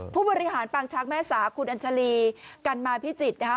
ผู้บริหารปางช้างแม่สาคุณอัญชาลีกันมาพิจิตรนะคะ